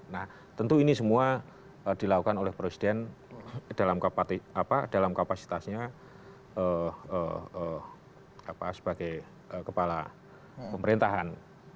nah tentu ini semua dilakukan oleh presiden dalam kapasitasnya sebagai kepala pemerintahan